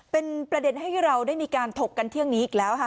เป็นประเด็นให้เราได้มีการถกกันเที่ยงนี้อีกแล้วค่ะ